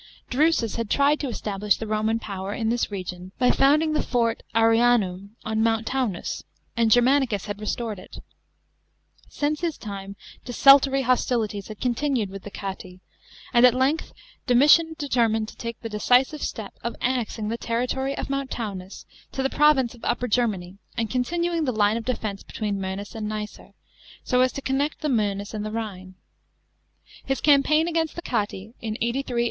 Dru*us had tried to establish the Roman p«>wer in this region by founding the fort Ar'aunum on Mount Taunus, and Germauicus had restored it. Since his time, desultory hostilities had continued with the Chatti, and at length Dornitian determined to take the decisive step of annexing the territory <>f Mount Taunus to the province of Upper Germany and continuing the line of defence between Mcenus and Nicer, so as to connect the Moenus and the Rhine, flis campaign against the Chatti, in 83 A.D..